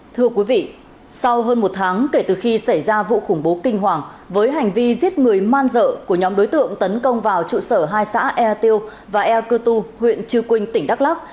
thưa quý vị sau hơn một tháng kể từ khi xảy ra vụ khủng bố kinh hoàng với hành vi giết người man dợ của nhóm đối tượng tấn công vào trụ sở hai xã ea tiêu và e cơ tu huyện chư quynh tỉnh đắk lắc